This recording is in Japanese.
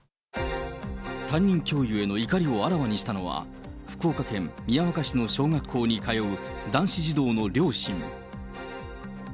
担任教諭への怒りをあらわにしたのは、福岡県宮若市の小学校に通う男子児童の両親。